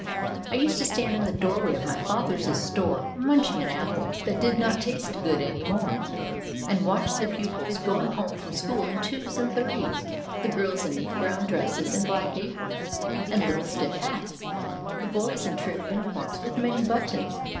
I used to stand in the doorway of my father's store munching an apple that did not taste good any more, and watch the pupils going home from school in twos and threes; the girls in neat brown dresses and black aprons and little stiff hats, the boys in trim uniforms with many buttons.